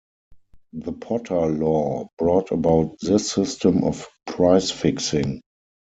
The Potter Law brought about this system of price fixing.